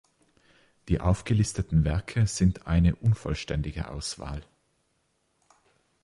Die aufgelisteten Werke sind eine unvollständige Auswahl.